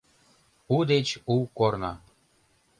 У деч у корно.